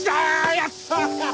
やった！